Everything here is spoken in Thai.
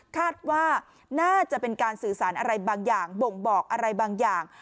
คาดว่าน่าจะเป็นการสื่อสารอะไรบางอย่างบ่งบอกอะไรบางอย่าง